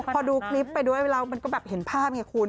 พอดูคลิปไปด้วยแล้วมันก็แบบเห็นภาพไงคุณ